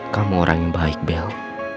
kamu orang yang baik bel